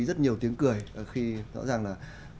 rất nhiều tiếng cười khi rõ ràng là